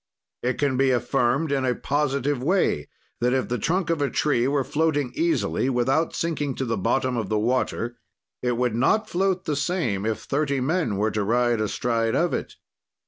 "It can be affirmed, in a positive way, that, if the trunk of a tree were floating easily, without sinking to the bottom of the water, it would not float the same if thirty men were to ride astride of it.